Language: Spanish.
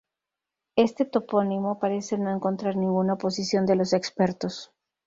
Este topónimo parece no encontrar ninguna oposición de los expertos.